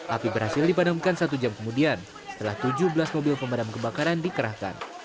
api berhasil dipadamkan satu jam kemudian setelah tujuh belas mobil pemadam kebakaran dikerahkan